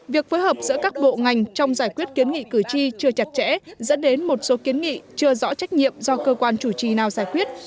việc phối hợp giữa các bộ ngành trong giải quyết kiến nghị cử tri chưa chặt chẽ dẫn đến một số kiến nghị chưa rõ trách nhiệm do cơ quan chủ trì nào giải quyết